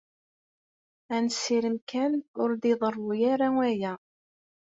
Ad nessirem kan ur d-iḍerru ara waya.